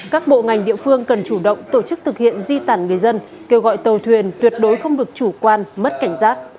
các bộ ngành địa phương cần chủ động tổ chức thực hiện di tản người dân kêu gọi tàu thuyền tuyệt đối không được chủ quan mất cảnh giác